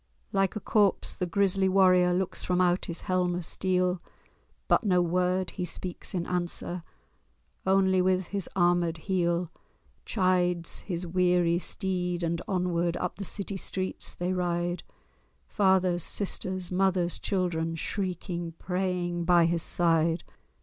Like a corpse the grisly warrior Looks from out his helm of steel; But no word he speaks in answer— Only with his armèd heel Chides his weary steed, and onward Up the city streets they ride; Fathers, sisters, mothers, children, Shrieking, praying by his side.